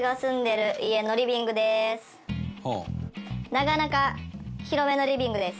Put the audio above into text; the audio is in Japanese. なかなか広めのリビングです。